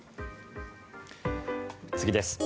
次です。